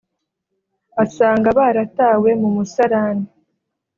asanga baratawe mu musarani